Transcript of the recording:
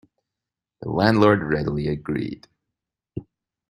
The landlord readily agreed.